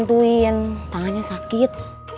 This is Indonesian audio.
tuh iyan tangannya sakit